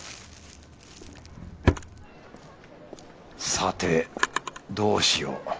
さてどうしよう？